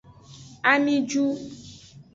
Ami jun.